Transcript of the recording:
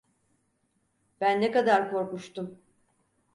Ben ne kadar korkmuştum…